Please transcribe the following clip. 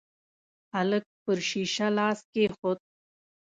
هلک پر شيشه لاس کېښود.